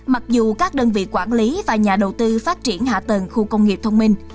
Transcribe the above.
mặc dù các đơn vị quản lý và nhà đầu tư phát triển hạ tầng khu công nghiệp thông minh